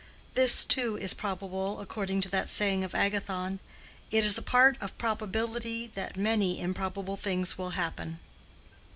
"This, too is probable, according to that saying of Agathon: 'It is a part of probability that many improbable things will happen.